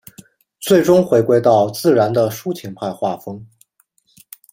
最终回归到自然的抒情派画风。